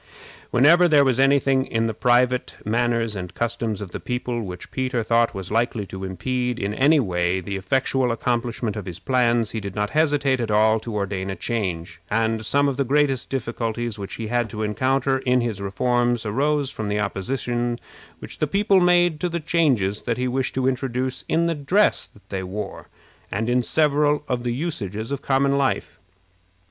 Whenever there was any thing in the private manners and customs of the people which Peter thought was likely to impede in any way the effectual accomplishment of his plans, he did not hesitate at all to ordain a change; and some of the greatest difficulties which he had to encounter in his reforms arose from the opposition which the people made to the changes that he wished to introduce in the dress that they wore, and in several of the usages of common life.